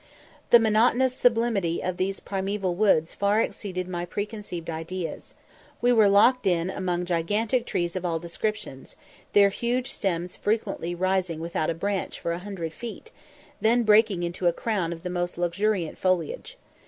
The monotonous sublimity of these primeval woods far exceeded my preconceived ideas. We were locked in among gigantic trees of all descriptions, their huge stems frequently rising without a branch for a hundred feet; then breaking into a crown of the most luxuriant foliage.